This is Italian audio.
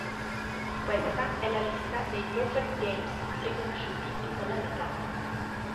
Questa è la lista dei perfect games riconosciuti in quella lega.